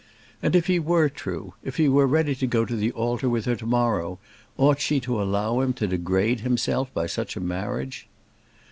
And, if he were true, if he were ready to go to the altar with her to morrow, ought she to allow him to degrade himself by such a marriage?